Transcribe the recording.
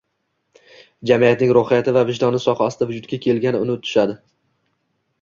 jamiyatning ruhiyati va vijdoni sohasida vujudga kelganini unutishadi.